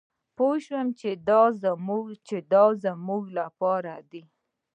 پوه شوم چې دا زمونږ لپاره دي.